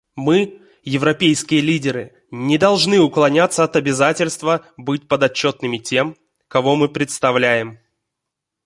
Мы, европейские лидеры, не должны уклоняться от обязательства быть подотчетными тем, кого мы представляем.